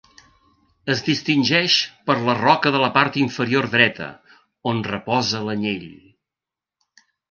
Es distingeix per la roca de la part inferior dreta, on reposa l'anyell.